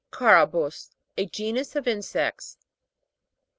CA'RABUS. A genus of insects.